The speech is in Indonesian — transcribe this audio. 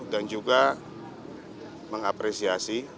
dan juga mengapresiasi